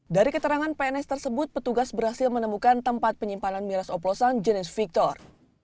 dari keterangan pns tersebut petugas berhasil menemukan tempat penyimpanan miras oplosan jenis victor